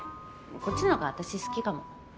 こっちの方が私好きかも。